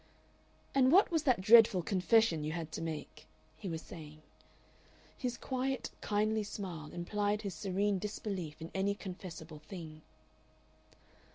"And what was that dreadful confession you had to make?" he was saying. His quiet, kindly smile implied his serene disbelief in any confessible thing.